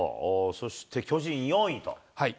そして巨人４位と。